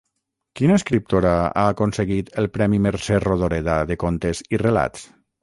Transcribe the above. Quina escriptora ha aconseguit el premi Mercè Rodoreda de contes i relats?